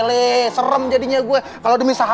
kok si rompis udah ngejar gue lagi sih